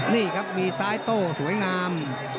นี่ครับมีซ้ายโต้สวยงาม